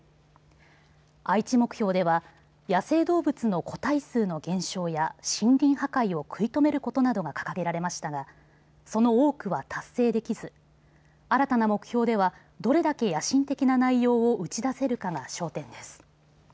愛知目標では野生動物の個体数の減少や森林破壊を食い止めることなどが掲げられましたがその多くは達成できず、新たな目標ではどれだけ野心的な内容を打ち出せるかが焦点です。